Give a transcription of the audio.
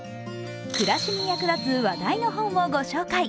暮らしに役立つ話題の本をご紹介。